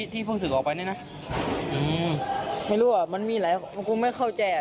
ดูว่ามันมีหลายกูไม่เข้าใจ